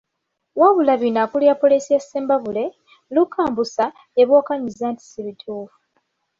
Wabula bino akulira poliisi y'e Ssembabule, Luka Mbusa, yabiwakanyizza nti si bituufu.